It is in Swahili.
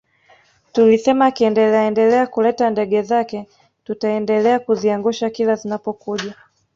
Tulisema akiendeleaendelea kuleta ndege zake tutaendelea kuziangusha kila zinapokuja